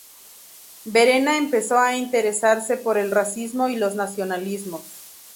Verena empezó a interesarse por el racismo y los nacionalismos.